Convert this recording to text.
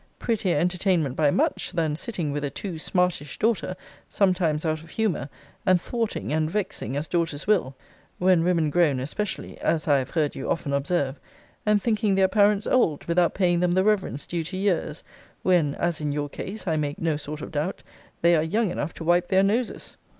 Prettier entertainment by much, than sitting with a too smartish daughter, sometimes out of humour; and thwarting, and vexing, as daughters will, (when women grown especially, as I have heard you often observe;) and thinking their parents old, without paying them the reverence due to years; when, as in your case, I make no sort of doubt, they are young enough to wipe their noses.